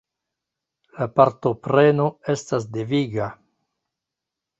La partopreno estas deviga.